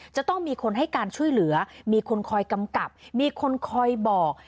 จะต้องมีคนให้การช่วยเหลือมีคนคอยกำกับมีคนคอยบอก